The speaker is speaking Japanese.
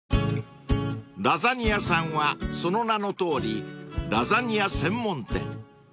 ［ラザニ屋さんはその名のとおりラザニア専門店］